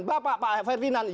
bapak pak ferdinand